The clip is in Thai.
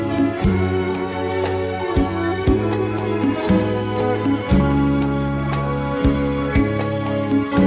ก็ไฟมันเกิดมาช่วยพว่าเขาอยู่ในคุณค่ะ